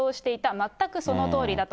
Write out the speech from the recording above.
全くそのとおりだと。